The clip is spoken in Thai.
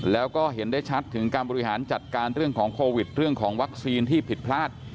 แล้วก็เห็นได้ชัดถึงการบริหารจัดการเรื่องของโควิดเรื่องของวัคซีนที่ผิดพลาด